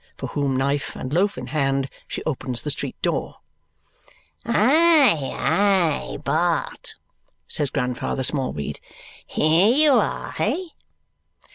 For whom, knife and loaf in hand, she opens the street door. "Aye, aye, Bart!" says Grandfather Smallweed. "Here you are, hey?"